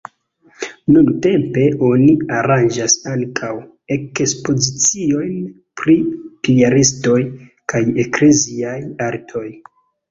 Nuntempe oni aranĝas ankaŭ ekspoziciojn pri piaristoj kaj ekleziaj artoj.